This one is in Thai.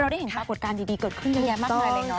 เราได้เห็นไงภาพหัวประการดีเกิดขึ้นแบบนี้มากค่ะ